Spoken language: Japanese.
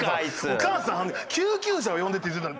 お母さん救急車を呼んでって言ってたの。